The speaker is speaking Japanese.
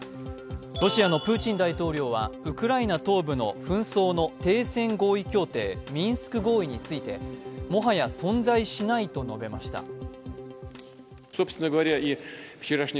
ロシアのプーチン大統領はウクライナ東部の紛争の停戦合意協定＝ミンスク合意についてもはや存在しないと述べました。